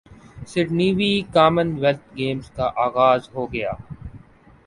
Sydney ویں commonwealth games کا اغاز ہو گیا